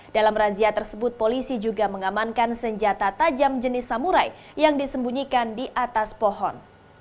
dalam razia tersebut polisi juga mengamankan senjata tajam jenis samurai yang disembunyikan di atas pohon